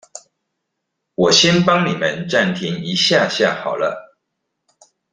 我先幫你們暫停一下下好了